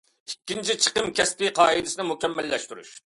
ئىككىنچى، چىقىم كەسپى قائىدىسىنى مۇكەممەللەشتۈرۈش.